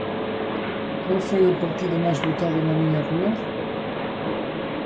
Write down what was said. Cal foi o partido máis votado na miña rúa?